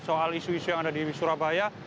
soal isu isu yang ada di surabaya